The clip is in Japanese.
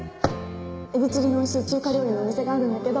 エビチリの美味しい中華料理のお店があるんだけど。